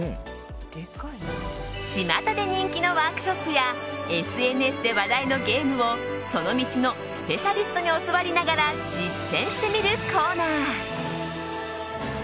巷で人気のワークショップやＳＮＳで話題のゲームをその道のスペシャリストに教わりながら実践してみるコーナー！